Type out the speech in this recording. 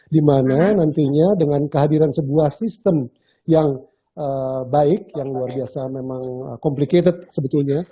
dimana nantinya dengan kehadiran sebuah sistem yang baik yang luar biasa memang complicated sebetulnya